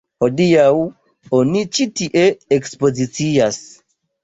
Hodiaŭ oni ĉi tie ekspozicias.